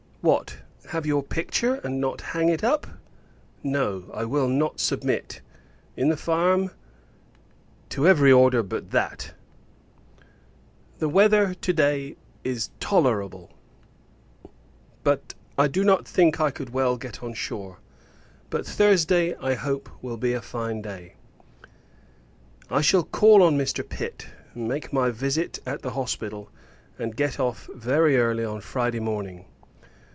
What, have your picture, and not hang it up? No; I will submit, in the farm, to every order but that. The weather, to day, is tolerable; but, I do not think I could well get on shore: but Thursday, I hope, will be a fine day. I shall call on Mr. Pitt, make my visit at the Hospital, and get off very early on Friday morning.